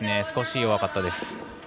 少し弱かったです。